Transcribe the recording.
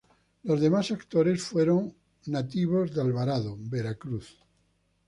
Los demás actores fueron nativos de Alvarado, Veracruz.